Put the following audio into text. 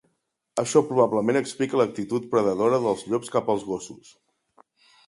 Això probablement explica l'actitud predadora dels llops cap als gossos.